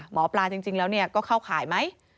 หมอปลาจริงแล้วก็เข้าข่ายไหม